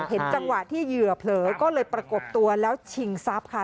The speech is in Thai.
เห็นจังหวะที่เหยื่อเผลอก็เลยประกบตัวแล้วชิงทรัพย์ค่ะ